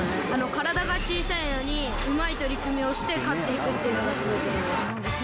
体が小さいのに、うまい取り組みをして、勝っていくっていうのがすごいと思います